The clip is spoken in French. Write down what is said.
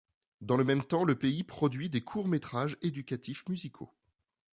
Dans le même temps, le pays produit des courts métrages éducatifs musicaux.